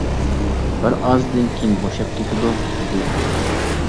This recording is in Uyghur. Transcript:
بىر ئازدىن كېيىن بوشاپ كېتىدۇ، -دېدى ئۇ.